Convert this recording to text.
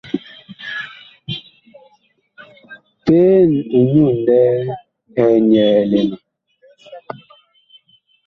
Peen ɛ nyu ŋlɛɛ eg nyɛɛle ma.